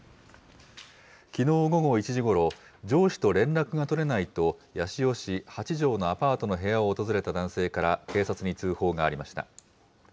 きのう午後１時ごろ、上司と連絡が取れないと、八潮市八條のアパートの部屋を訪れた男性から警察に通報がありました。